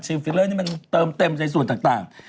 ฟิลเลอร์นี่มันเติมเต็มในส่วนต่าง